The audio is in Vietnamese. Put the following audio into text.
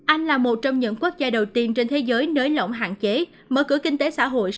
anh là một trong những quốc gia đầu tiên trên thế giới nới lỏng hạn chế mở cửa kinh tế xã hội